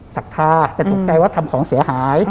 สักท่าแต่ตุ๊กใจว่าทำของเสียหาย